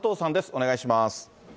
お願いします。